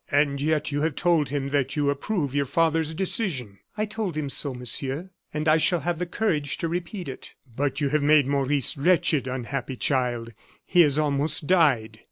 "And yet you have told him that you approve your father's decision!" "I told him so, Monsieur, and I shall have the courage to repeat it." "But you have made Maurice wretched, unhappy, child; he has almost died."